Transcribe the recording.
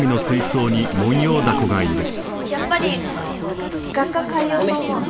やっぱり学科変えようと思う。